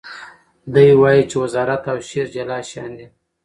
دی وایي چې وزارت او شعر جلا شیان دي.